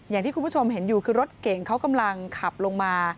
อย่างที่คุณผู้ชมเห็นอยู่คือรถเก่งเขากำลังขับลงมา